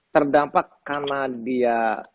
terdampak karena dia